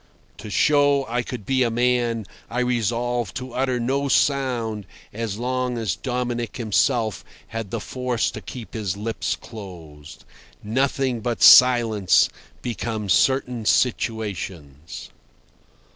To show I could be a man, I resolved to utter no sound as long as Dominic himself had the force to keep his lips closed. Nothing but silence becomes certain situations.